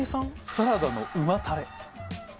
サラダの旨たれ。